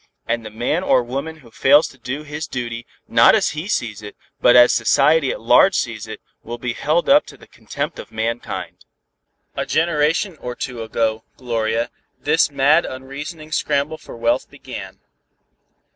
And the man or woman who fails to do his duty, not as he sees it, but as society at large sees it, will be held up to the contempt of mankind. A generation or two ago, Gloria, this mad unreasoning scramble for wealth began.